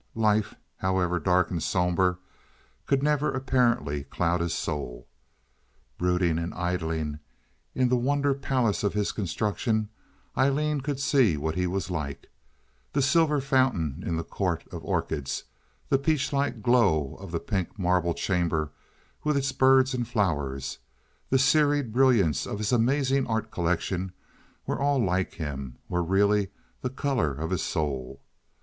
Life, however dark and somber, could never apparently cloud his soul. Brooding and idling in the wonder palace of his construction, Aileen could see what he was like. The silver fountain in the court of orchids, the peach like glow of the pink marble chamber, with its birds and flowers, the serried brilliance of his amazing art collections were all like him, were really the color of his soul.